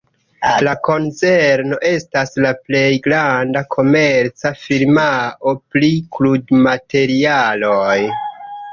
La konzerno estas la plej granda komerca firmao pri krudmaterialoj.